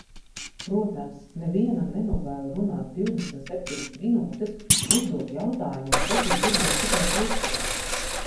Protams, nevienam nenovēlu runāt divdesmit septiņas minūtes, uzdot jautājumu un pretī dzirdēt tikai klusumu.